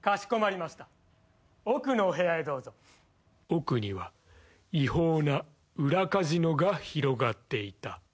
［奥には違法な裏カジノが広がっていた］